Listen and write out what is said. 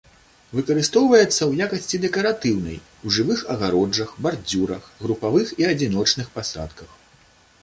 Выкарыстоўваецца ў якасці дэкаратыўнай у жывых агароджах, бардзюрах, групавых і адзіночных пасадках.